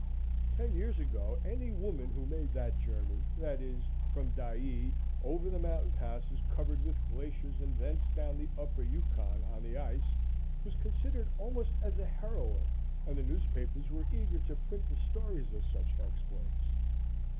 Ten years ago any woman who made that journey that is, from Dyea over the mountain passes covered with glaciers and thence down the Upper Yukon on the ice was considered almost as a heroine and the newspapers were eager to print the stories of such exploits.